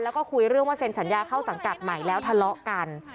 แล้วก็คุยเรื่องว่าเซ็นสัญญาเข้าสังกัดใหม่แล้วทะเลาะกัน